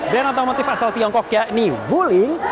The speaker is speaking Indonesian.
brand otomotif asal tiongkok yakni bulling